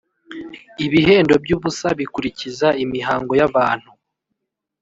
ibihendo by’ubusa bikurikiza imihango y’abantu